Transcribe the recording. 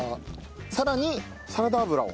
さらにサラダ油を。